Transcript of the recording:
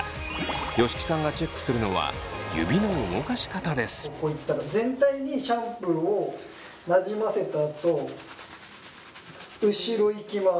吉木さんがチェックするのは全体にシャンプーをなじませたあと後ろいきます。